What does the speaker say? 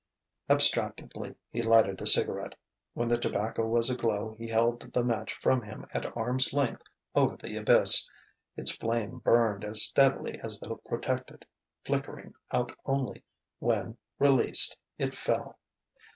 Abstractedly he lighted a cigarette. When the tobacco was aglow he held the match from him at arm's length over the abyss. Its flame burned as steadily as though protected, flickering out only when, released, it fell.